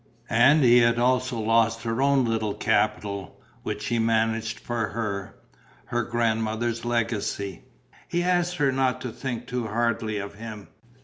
And he had also lost her own little capital, which he managed for her, her godmother's legacy. He asked her not to think too hardly of him.